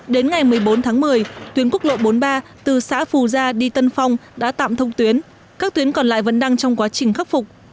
đến ngày một mươi bốn tháng một mươi tuyến quốc lộ bốn mươi ba từ xã phù gia đi tân phong đã tạm thông tuyến các tuyến còn lại vẫn đang trong quá trình khắc phục